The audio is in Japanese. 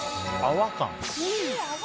泡感。